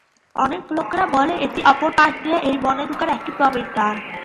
অনেক লোকেরা বলে এটি অপর পাশ দিয়ে এই বনে ঢুকার একটি প্রবেশদ্বার।